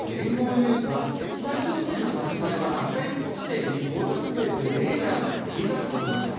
ニュースは北朝鮮の発射体は落下予告地点に到達せず、レーダーから消えたと報じました。